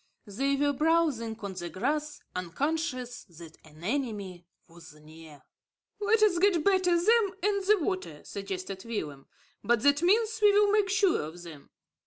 They were browsing on the grass, unconscious that an enemy was near. "Let us get between them and the water," suggested Willem. "By that means we will make sure of them."